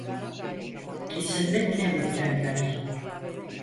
Kesinlikle mükemmel.